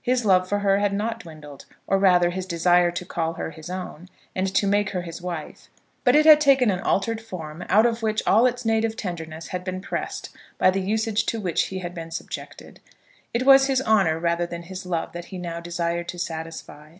His love for her had not dwindled, or rather his desire to call her his own, and to make her his wife; but it had taken an altered form out of which all its native tenderness had been pressed by the usage to which he had been subjected. It was his honour rather than his love that he now desired to satisfy.